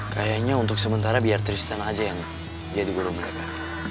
kayaknya untuk sementara biar tristan aja yang jadi guru mereka